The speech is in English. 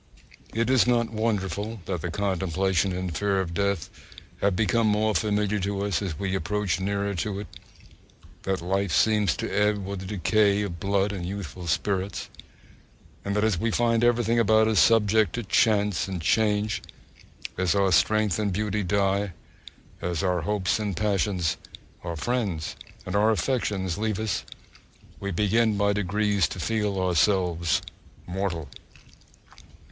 It is not wonderful that the contemplation and fear of death become more familiar to us as we approach nearer to it: that life seems to ebb with the decay of blood and youthful spirits; and that as we find everything about us subject to chance and change, as our strength and beauty die, as our hopes and passions, our friends and our affections leave us, we begin by degrees to feel ourselves mortal!